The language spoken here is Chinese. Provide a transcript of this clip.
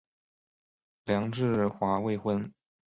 梁质华未婚。